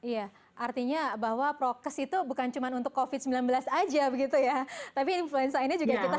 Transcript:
iya artinya bahwa prokes itu bukan cuma untuk covid sembilan belas aja begitu ya tapi influenza ini juga kita